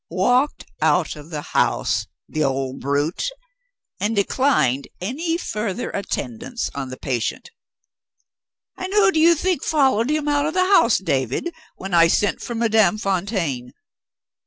Walked out of the house (the old brute!) and declined any further attendance on the patient. And who do you think followed him out of the house, David, when I sent for Madame Fontaine?